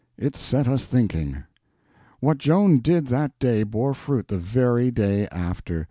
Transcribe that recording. It set us thinking. What Joan did that day bore fruit the very day after.